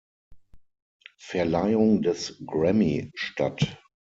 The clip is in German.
Verleihung des Grammy statt.